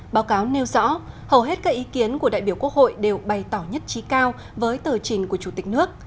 báo cáo nêu rõ hầu hết các ý kiến của đại biểu quốc hội đều bày tỏ nhất trí cao với tờ trình của chủ tịch nước